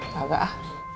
tau gak ah